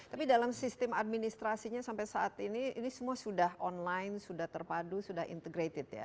tapi dalam sistem administrasinya sampai saat ini ini semua sudah online sudah terpadu sudah integrated ya